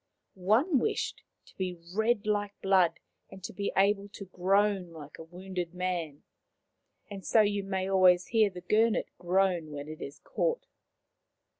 One wished to be red like blood, and to be able to groan like a wounded man ; and so you may always hear the Gurnet groan when it is caught.